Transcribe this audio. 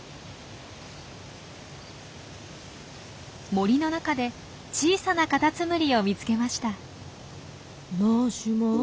森の中で小さなカタツムリを見つけました。